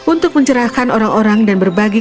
untuk mencerahkan orang orang dan berbagi